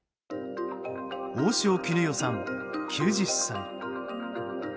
大塩衣與さん、９０歳。